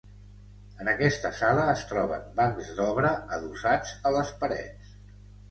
En aquesta sala es troben bancs d'obra adossats a les parets.